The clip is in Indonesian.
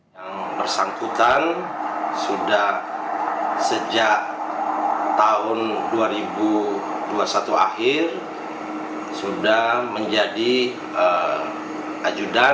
yang bersangkutan sudah sejak tahun dua ribu dua puluh satu akhir sudah menjadi ajudan